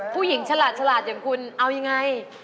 ผู้หญิงฉลาดอย่างคุณเอายังไง